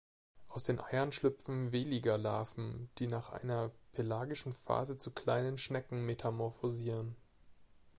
Aus den Eiern schlüpfen Veliger-Larven, die nach einer pelagischen Phase zu kleinen Schnecken metamorphosieren.